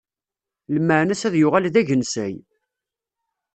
Lmeɛna-s ad yuɣal d agensay.